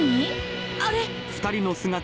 あれ！